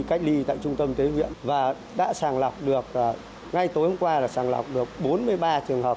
cách ly tại trung tâm tế huyện và đã sàng lọc được ngay tối hôm qua là sàng lọc được bốn mươi ba trường hợp